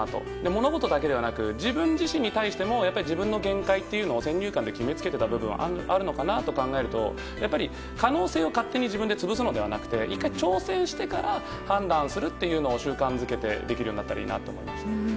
物事だけではなく自分自身に対しても自分の限界を先入観で決めつけていた部分があるのかなと思うとやっぱり可能性を勝手に自分に潰すのではなく１回挑戦してから判断することを習慣づけてできるようになったらいいなと思いました。